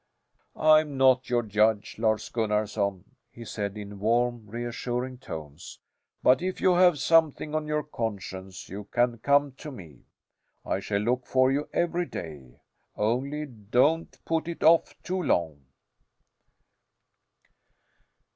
"I'm not your judge, Lars Gunnarson," he said in warm, reassuring tones, "but if you have something on your conscience, you can come to me. I shall look for you every day. Only don't put it off too long!"